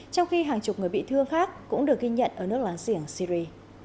trong khi hàng chục người bị thương khác cũng được ghi nhận ở nước làng diển syri